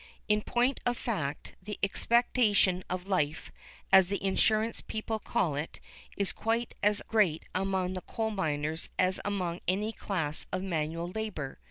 In point of fact, the expectation of life, as the insurance people call it, is quite as great among the coal miners as among any class of manual labour.